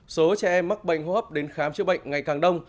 số trẻ em mắc bệnh hô hấp đến khám chữa bệnh ngày càng đông